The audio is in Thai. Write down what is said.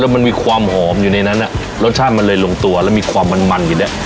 มันมีความหอมอยู่ในนั้นอ่ะรสชาติมันเลยลงตัวแล้วมีความมันมันอยู่เนี้ย